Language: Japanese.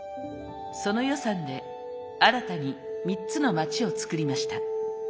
その予算で新たに３つの街を作りました。